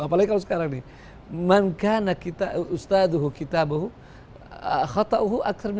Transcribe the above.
apalagi kalau sekarang nih